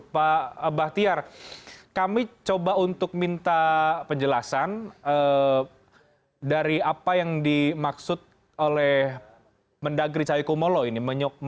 pak bahtiar kami coba untuk minta penjelasan dari apa yang dimaksud oleh mendagri cahayu kumolo ini